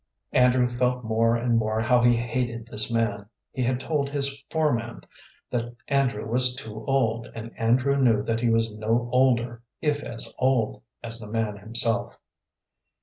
Andrew felt more and more how he hated this man. He had told his foreman that Andrew was too old, and Andrew knew that he was no older, if as old, as the man himself.